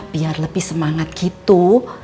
biar lebih semangat gitu